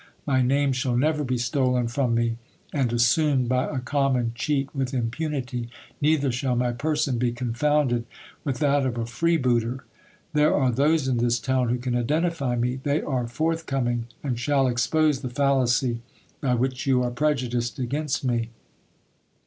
My name shall never be stolen from me, and assumed by a common cheat with impunity ; neither shall my person be confounded with that of a free booter. There are those in this town who can identify me : they are forth coming, and shall expose the fallacy by which you are prejudiced against me.